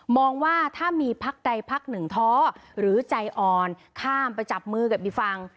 ว่าถ้ามีพักใดพักหนึ่งท้อหรือใจอ่อนข้ามไปจับมือกับอีกฝั่ง